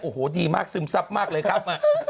โอ้โหดีมากซึมซับมากเลยครับ